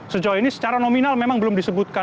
sejauh ini secara nominal memang belum disebutkan